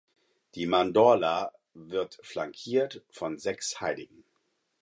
Die Mandorla wird flankiert von sechs Heiligen.